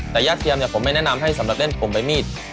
แต่ญาติเทียมเนี่ยผมไม่แนะนำให้สำหรับเล่นผมใบมีด